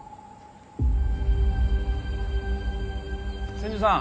千住さん